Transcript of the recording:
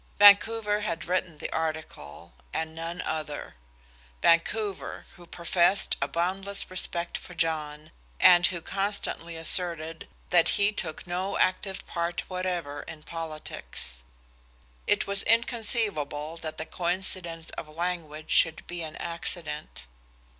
Vancouver had written the article, and none other; Vancouver, who professed a boundless respect for John, and who constantly asserted that he took no active part whatever in politics. It was inconceivable that the coincidence of language should be an accident.